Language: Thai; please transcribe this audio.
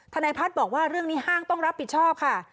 นายพัฒน์บอกว่าเรื่องนี้ห้างต้องรับผิดชอบค่ะ